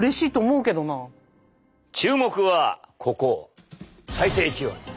注目はここ最低気温。